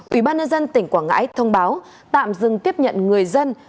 ủy ban nhân dân tỉnh quảng ngãi thông báo tạm dừng tiếp nhận người dân